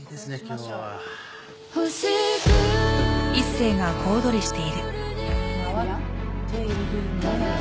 はい。